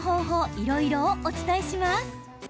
いろいろお伝えします。